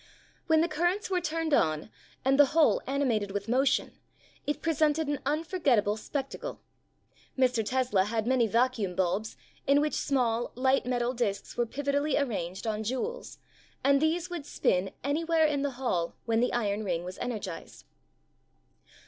When the currents were turned on and the whole animated with motion, it presented an unforgettable spec tacle. Mr. Tesla had many vacuum bulbs in which small, light metal discs were pivotally arranged on jewels and these would spin anywhere in the hall when the iron ring was energized.